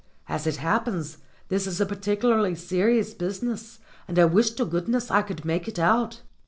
"As it happens, this is a particularly serious business, and I wish to goodness I could make it out."